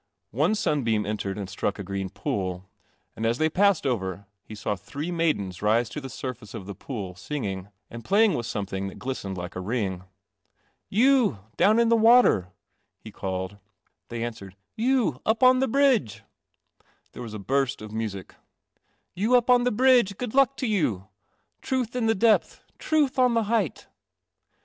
One sunbeam en tered and struck a green pool, and as they passed 68 Mi: CELESTIAL < OMNIBUS over he saw three maidens rise to the Buri ing, and playing with some thing th.it glistened like a rine. •■ Y wn in the water " he called. They answered, "You up on the bridge " There was a DU1 music. " Vou up on the brid 1 luck t<> you. Truth in the depth, truth on the height."